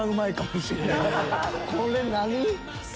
これ何？